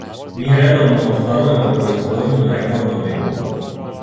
Ми редовно остварујемо производњу на рекордном нивоу.